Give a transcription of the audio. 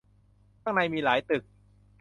ข้างในมีหลายตึก